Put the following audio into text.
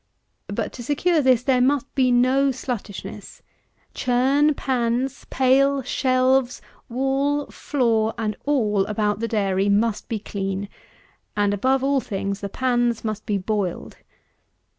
But to secure this, there must be no sluttishness. Churn, pans, pail, shelves, wall, floor, and all about the dairy, must be clean; and, above all things, the pans must be boiled.